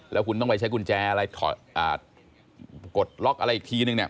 แล้วคุณต้องไปใช้กุญแจอะไรกดล็อกอะไรอีกทีนึงเนี่ย